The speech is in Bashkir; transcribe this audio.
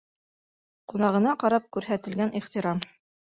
Ҡунағына ҡарап күрһәтелгән ихтирам.